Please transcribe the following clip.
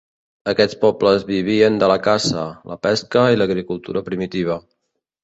Aquests pobles vivien de la caça, la pesca i l'agricultura primitiva.